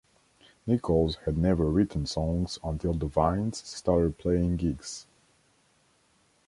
Nicholls had never written songs until The Vines started playing gigs.